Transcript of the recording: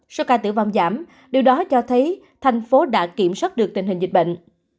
số ca tử vong giảm điều đó cho thấy thành phố đã kiểm soát được tình hình dịch bệnh